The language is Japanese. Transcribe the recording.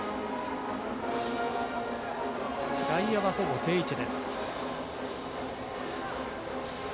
外野はほぼ定位置。